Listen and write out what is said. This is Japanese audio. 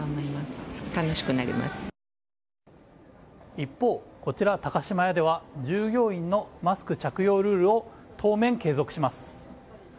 一方、こちら、高島屋では、従業員のマスク着用ルールを当面、継続します。